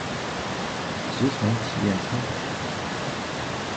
职场体验参访